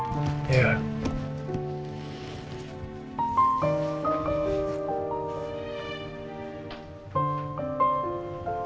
aku mau berbicara sama kamu